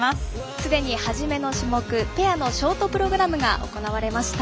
すでにはじめの種目ペアのショートプログラムが行われました。